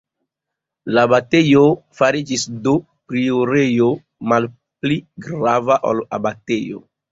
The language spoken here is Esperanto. La abatejo fariĝis do priorejo, malpli grava ol abatejo.